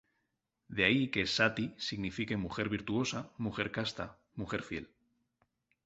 De ahí que "sati" signifique ‘mujer virtuosa’, ‘mujer casta’, ‘mujer fiel’.